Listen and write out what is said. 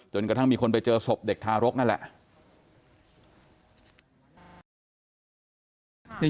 กระทั่งมีคนไปเจอศพเด็กทารกนั่นแหละ